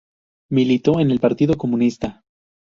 Militó en el Partido Comunista.